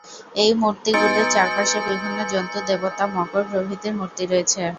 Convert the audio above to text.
এই মূর্তিগুলির চারপাশে বিভিন্ন জন্তু, দেবতা, মকর প্রভৃতির মূর্তি রয়েছে।